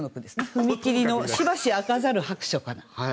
「踏切の暫し開かざる薄暑かな」。